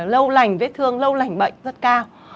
lâu lành vết thương lâu lành bệnh rất cao